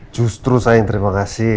justru saya yang terima kasih